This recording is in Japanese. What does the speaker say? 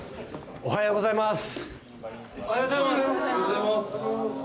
おはようございます。